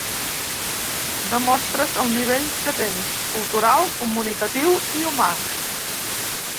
Demostres el nivell que tens, cultural, comunicatiu i humà.